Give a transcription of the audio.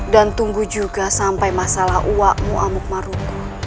dan tunggu juga sampai masalah uakmu amuk marungku